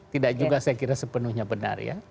tidak juga saya kira sepenuhnya benar ya